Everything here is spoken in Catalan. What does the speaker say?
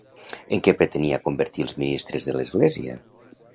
En què pretenia convertir els ministres de l'Església?